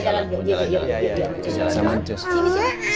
iya jangan mancos